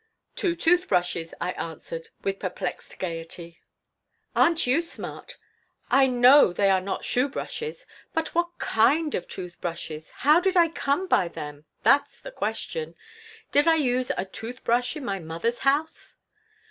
"Two tooth brushes," I answered, with perplexed gaiety "Aren't you smart! I know they are not shoe brushes, but what kind of tooth brushes? How did I come by them? That's the question. Did I use a tooth brush in my mother's house?"